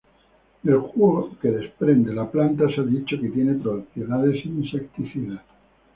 Del jugo que desprende la planta se ha dicho que tiene propiedades insecticidas.